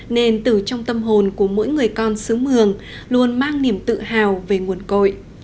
nên từ trong tâm hồn của mỗi người con xứ mường luôn mang niềm tự hào về nguồn cội